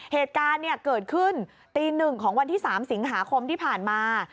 เหตุการณ์เกิดขึ้นตี๑ของวันที่๓สิงหาคมที่ผ่านมา